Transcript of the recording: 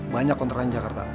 banyak kontrakan di jakarta